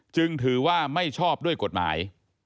จึงถือว่าไม่ชอบด้วยกฎหมาย